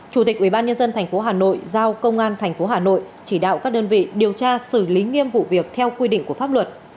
chủ tịch ubnd tp hà nội giao công an tp hà nội chỉ đạo các đơn vị điều tra xử lý nghiêm vụ việc theo quy định của pháp luật